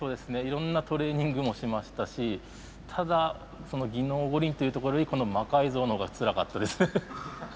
いろんなトレーニングもしましたしただ技能五輪というところよりこの「魔改造」の方がつらかったです。